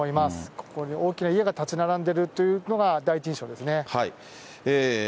ここに大きな家が建ち並んでいるというのが第一印象ですね。